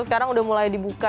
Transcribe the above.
sekarang sudah mulai dibuka